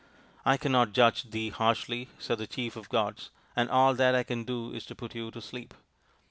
" I cannot judge thee harshly," said the chief of the gods, " and all that I can do is to put you to sleep."